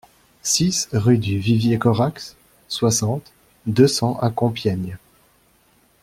six rue du Vivier Corax, soixante, deux cents à Compiègne